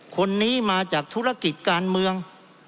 คนนี้มาจากธุรกิจการเมือง